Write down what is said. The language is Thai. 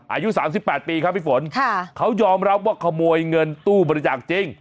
อายุ๓๘ปีครับพี่ฝนเขายอมรับว่าขโมยเงินตู้บริจาคจริง